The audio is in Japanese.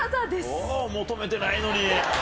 おお、求めてないのに。